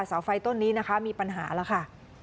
เสาไฟต้นนี้มีปัญหาเราค่ะ